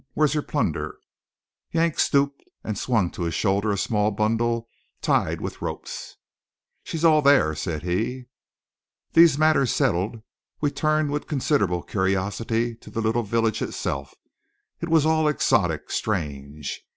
Where's your plunder?" Yank stooped and swung to his shoulder a small bundle tied with ropes. "She's all thar," said he. These matters settled, we turned with considerable curiosity to the little village itself. It was all exotic, strange.